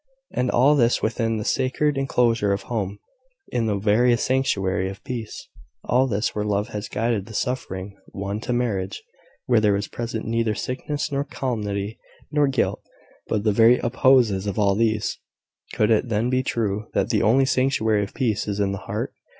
And all this within the sacred enclosure of home, in the very sanctuary of peace! All this where love had guided the suffering one to marriage where there was present neither sickness, nor calamity, nor guilt, but the very opposites of all these! Could it then be true, that the only sanctuary of peace is in the heart?